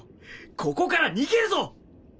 ここから逃げるぞ！